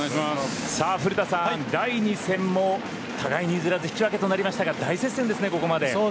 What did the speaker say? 古田さん、第２戦も互いに譲らず引き分けとなりましたが大接戦ですね、ここまで。